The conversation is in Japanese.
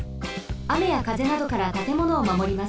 あめやかぜなどからたてものをまもります。